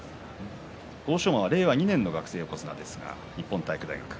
欧勝馬は令和２年の学生横綱日本体育大学。